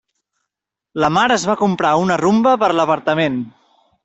La Mar es va comprar una Rumba per a l'apartament.